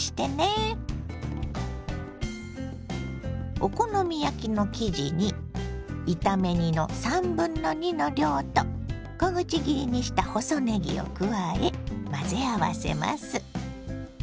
お好み焼きの生地に炒め煮の2/3の量と小口切りにした細ねぎを加え混ぜ合わせます。